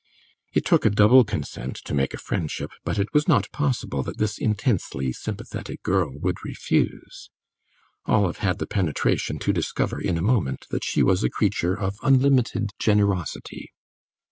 It took a double consent to make a friendship, but it was not possible that this intensely sympathetic girl would refuse. Olive had the penetration to discover in a moment that she was a creature of unlimited generosity.